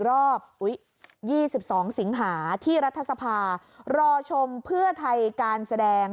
รอบ๒๒สิงหาที่รัฐสภารอชมเพื่อไทยการแสดง